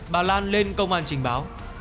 bà lan lên công an trình báo